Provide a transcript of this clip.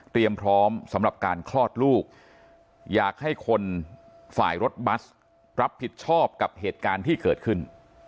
พร้อมสำหรับการคลอดลูกอยากให้คนฝ่ายรถบัสรับผิดชอบกับเหตุการณ์ที่เกิดขึ้น